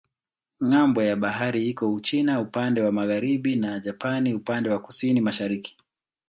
Ng'ambo ya bahari iko Uchina upande wa magharibi na Japani upande wa kusini-mashariki.